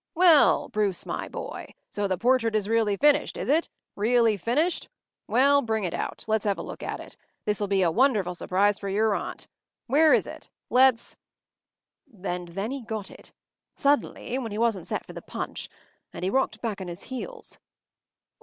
“Well, Bruce, my boy; so the portrait is really finished, is it—really finished? Well, bring it out. Let’s have a look at it. This will be a wonderful surprise for your aunt. Where is it? Let’s——” And then he got it—suddenly, when he wasn’t set for the punch; and he rocked back on his heels.